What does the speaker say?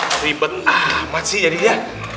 wah ribet amat sih jadinya